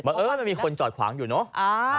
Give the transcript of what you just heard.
เออมันมีคนจอดขวางอยู่เนอะ